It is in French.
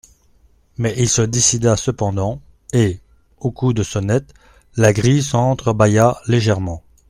Mais il se décida cependant, et, au coup de sonnette, la grille s'entre-bâilla légèrement.